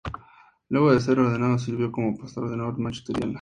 Luego de ser ordenado sirvió como pastor en North Manchester, Indiana.